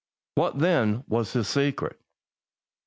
What, then, was his secret?